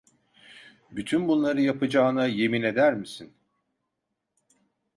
Bütün bunları yapacağına yemin eder misin?